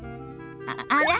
あら？